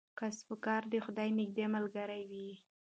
کسبګر د خدای نږدې ملګری وي.